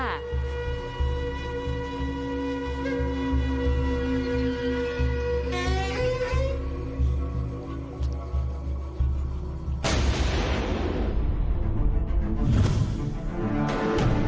เราก็จะช่วยพลังกัน